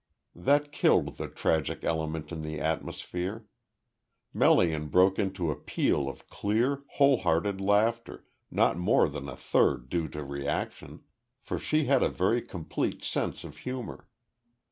That killed the tragic element in the atmosphere. Melian broke into a peal of clear, wholehearted laughter, not more than a third due to reaction, for she had a very complete sense of humour.